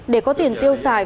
để có tiền tiêu xài